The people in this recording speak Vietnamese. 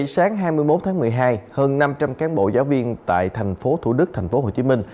sáng hai mươi một tháng một mươi hai hơn năm trăm linh cán bộ giáo viên tại tp thủ đức tp hồ chí minh